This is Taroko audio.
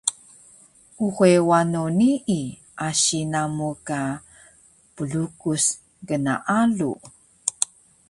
Uxe wano nii, asi namu ka plukus gnaalu